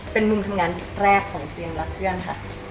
เป็นมุมทำงานแรกของเจมส์และเพื่อนค่ะ